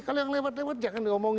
kalau yang lewat lewat jangan diomongin